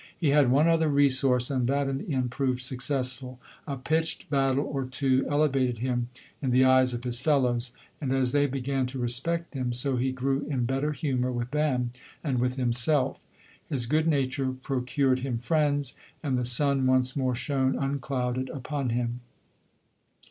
He had one other resource, and that in the end proved successful: — a pitched battle or two elevated him in the eyes of his fellows, and as they began to respect him, so he grew in better humour with them and with himself. His good nature procured him friends, and the sun once more shone unclouded upon him.